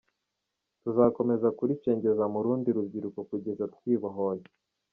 Tuzakomeza kuricengeza mu rundi rubyiruko kugeza twibohoye.